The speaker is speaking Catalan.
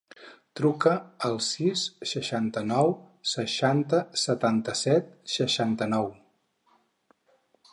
Truca al sis, seixanta-nou, seixanta, setanta-set, seixanta-nou.